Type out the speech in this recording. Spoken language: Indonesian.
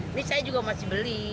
ini saya juga masih beli